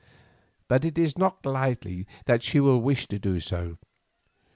But it is not likely that she will wish to do so.